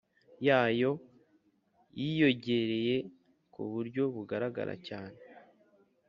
yayo yiyogereye ku buryo bugaragara cyane